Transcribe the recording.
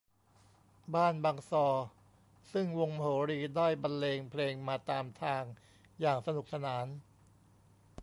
บ้านบางซอซึ่งวงมโหรีได้บรรเลงเพลงมาตามทางอย่างสนุกสนาน